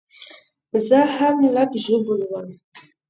زه هم لږ ژوبل وم